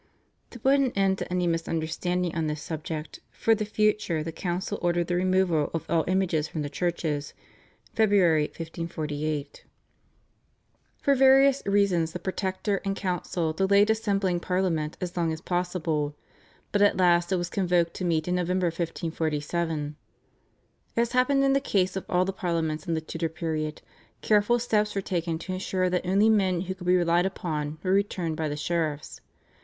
To put an end to any misunderstanding on this subject for the future the council ordered the removal of all images from the churches (Feb. 1548). For various reasons the Protector and council delayed assembling Parliament as long as possible, but at last it was convoked to meet in November 1547. As happened in the case of all the Parliaments in the Tudor period, careful steps were taken to ensure that only men who could be relied upon were returned by the sheriffs.